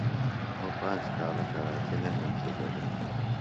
مہ پانج کالہ کراچیۡ نہ ہینسِلوۡ دےۡ۔